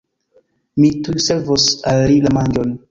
Mi tuj servos al li la manĝon.